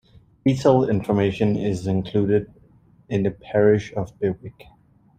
Detailed information is included in the parish of Bewick.